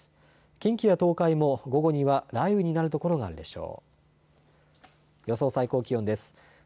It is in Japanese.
近畿や東海も午後には雷雨になるところがあるでしょう。